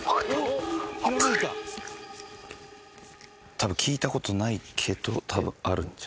「多分聞いた事ないけど多分あるんじゃ」